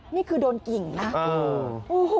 นี่คือโดนกิ่งนะโอ้โห